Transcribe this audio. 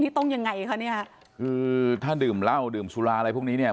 นี่ต้องยังไงคะเนี่ยคือถ้าดื่มเหล้าดื่มสุราอะไรพวกนี้เนี่ย